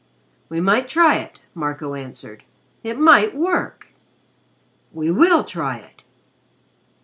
"We might try it," Marco answered. "It might work. We will try it."